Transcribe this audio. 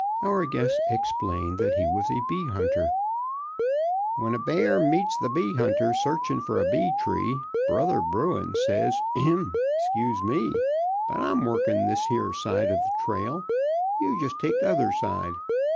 Our guest explained that he was a bee hunter. "When the bear meets the bee hunter searchin' for a bee tree, brother Bruin says, 'Ahem! Excuse me, but I'm workin' this 'ere side of the trail, you just take t'other side.'